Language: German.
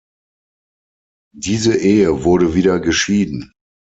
Diese Ehe wurde wieder geschieden.